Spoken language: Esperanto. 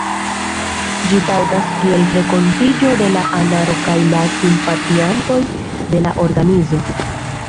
Ĝi taŭgas kiel renkontiĝo de la anaro kaj la simpatiantoj de la organizo.